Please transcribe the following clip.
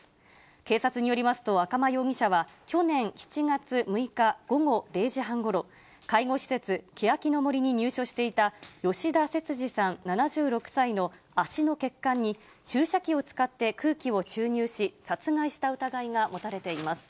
警察によりますと、赤間容疑者は去年７月６日午後６時半ごろ、介護施設、けやきの舎に入所していた吉田節分さん７６歳の足の血管に注射器を使って空気を注入し、殺害した疑いが持たれています。